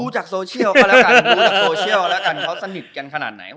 รู้จากโซเชียลเขาแล้วกันเขาสนิทกันขนาดไหน